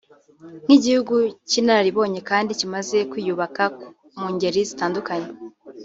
nk’igihugu cy’inararibonye kandi kimaze kwiyubaka mu ngeri zitandukanye